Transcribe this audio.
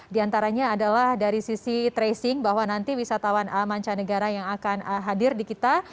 di antaranya adalah dari sisi tracing bahwa nanti wisatawan mancanegara yang akan hadir di kita